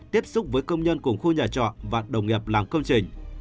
tiếp xúc với công nhân cùng khu nhà trọ và đồng nghiệp làm công trình